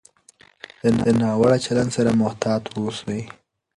د ناوړه چلند سره محتاط اوسئ.